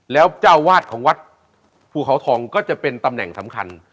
แล้วเจ้าวาดของวัดภูเขาทองก็จะเป็นตำแหน่งสำคัญ